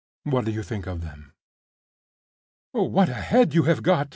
What do you think of them?" "What a head you have got!"